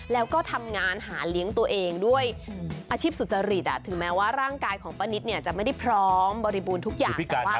แล้วก็ทำงานหาเลี้ยงตัวเองด้วยอาชีพสุจริตถึงแม้ว่าร่างกายของป้านิตเนี่ยจะไม่ได้พร้อมบริบูรณ์ทุกอย่าง